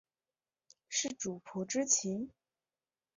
是主仆之情？